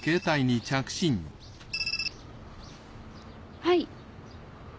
はい。